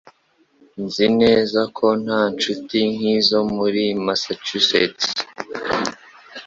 Nzi neza ko nta nshuti nk'izo muri Massachusetts